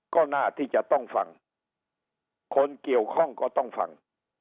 ก็น่าที่จะต้องฟังคนเกี่ยวข้องก็ต้องฟัง